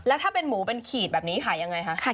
แล้วถ้าเป็นหมูเป็นขีดแบบนี้ขายยังไงคะ